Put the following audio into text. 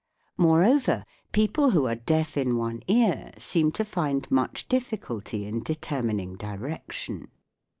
Moreover, people who are deaf in one ear seem to find much difficulty in determining direc tion.